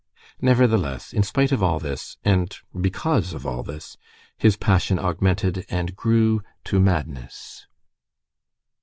Nevertheless, in spite of all this, and because of all this, his passion augmented and grew to madness.